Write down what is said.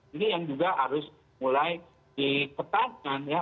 jadi yang juga harus mulai diketahkan ya